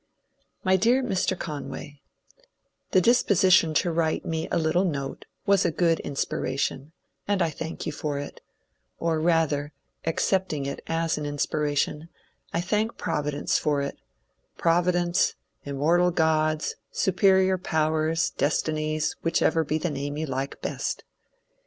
My dear Mr. Conway, — The " disposition to write me a little note " was a good inspiration, and I thank you for it ; or rather, accepting it as an inspiration, I thank Providence for it — Providence, " Immortal Gods," " Superior Powers," ^^ Destinies," whichever be the name you like best.